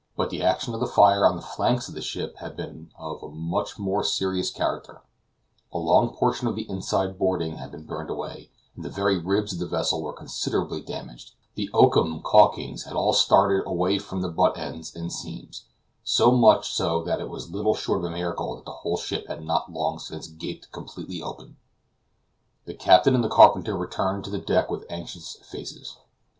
But the action of the fire on the flanks of the ship had been of a much more serious character; a long portion of the inside boarding had been burned away, and the very ribs of the vessel were considerably damaged; the oakum caulkings had all started away from the butt ends and seams; so much so that it was little short of a miracle that the whole ship had not long since gaped completely open. The captain and the carpenter returned to the deck with anxious faces.